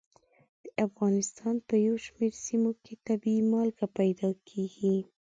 د افغانستان په یو شمېر سیمو کې طبیعي مالګه پیدا کېږي.